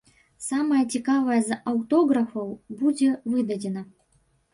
Самае цікавае з аўтографаў будзе выдадзена.